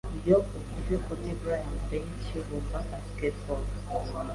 Iyo uvuze Kobe Bryant benshi bumva Basketball